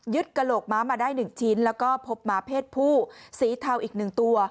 ยึดกระโหลกม้ามาได้หนึ่งชิ้นแล้วก็พบม้าเพศผู้สีเทาอีกหนึ่งตัว